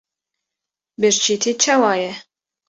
birçîtî çawa ye?